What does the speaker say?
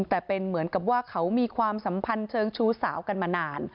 แต่เป็นเหมือนกับว่าเขามีความสัมพันธ์เชิงชู้สาวกันมานาน